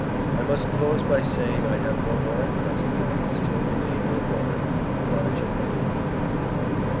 I must close by saying I have no more at present. I still remain your brother, ELIJAH HILTON.